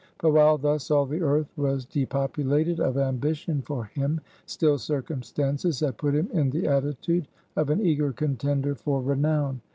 But while thus all the earth was depopulated of ambition for him; still circumstances had put him in the attitude of an eager contender for renown.